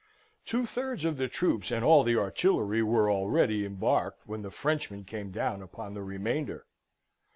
Two thirds of the troops, and all the artillery, were already embarked, when the Frenchmen came down upon the remainder.